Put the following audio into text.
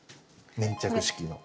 粘着式の。